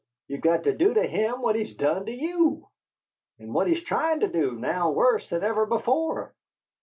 Ye've got to do to him what he's done to YOU, and what he's tryin' to do now worse than ever before.